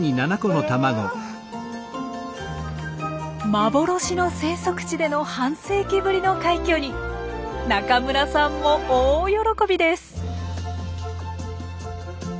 幻の生息地での半世紀ぶりの快挙に中村さんも大喜びです。